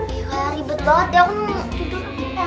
ya kalau ribet banget ya aku tidur